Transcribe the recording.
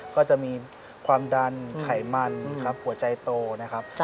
ก็จะมีความดันไขมันครับหัวใจโตนะครับ